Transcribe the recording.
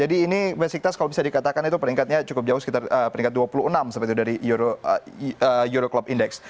ini besitas kalau bisa dikatakan itu peringkatnya cukup jauh sekitar peringkat dua puluh enam seperti itu dari euro club index